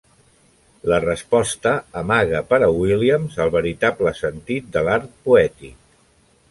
La resposta amaga per a Williams el veritable sentit de l'art poètic.